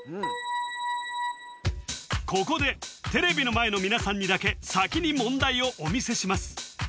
ここでテレビの前の皆さんにだけ先に問題をお見せします